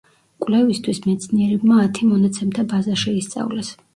კვლევისთვის მეცნიერებმა ათი მონაცემთა ბაზა შეისწავლეს.